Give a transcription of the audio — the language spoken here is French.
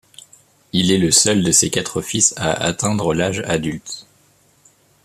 Il est seul de ses quatre fils à atteindre l'âge adulte.